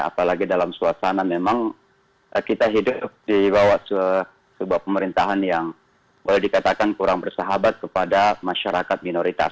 apalagi dalam suasana memang kita hidup di bawah sebuah pemerintahan yang boleh dikatakan kurang bersahabat kepada masyarakat minoritas